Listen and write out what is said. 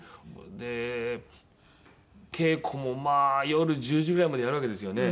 稽古もまあ夜１０時ぐらいまでやるわけですよね。